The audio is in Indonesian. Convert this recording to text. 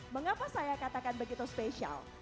mengapa saya katakan begitu spesial